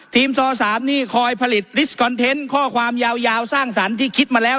ทีมซอสามนี่คอยผลิตข้อความยาวยาวสร้างสรรค์ที่คิดมาแล้ว